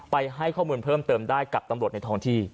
ให้ข้อมูลเพิ่มเติมได้กับตำรวจในท้องที่